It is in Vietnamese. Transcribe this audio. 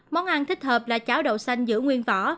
món ăn thích hợp là cháo đậu xanh giữ nguyên vỏ